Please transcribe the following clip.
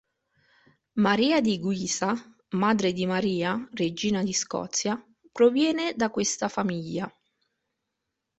Maria di Guisa, madre di Maria, Regina di Scozia, proviene da questa famiglia.